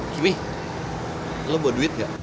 kimi lu buat duit gak